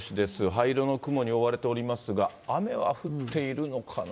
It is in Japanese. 灰色の雲に覆われておりますが、雨は降っているのかな。